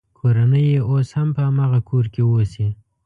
کورنۍ یې اوس هم په هماغه کور کې اوسي.